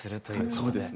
そうですね。